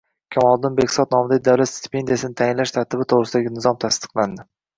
Kamoliddin Behzod nomidagi davlat stipendiyasini tayinlash tartibi to‘g‘risidagi nizom tasdiqlandi